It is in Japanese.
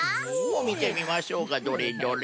みてみましょうかどれどれ。